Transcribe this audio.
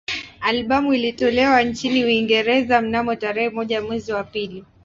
Albamu ilitolewa nchini Uingereza mnamo tarehe moja mwezi wa pili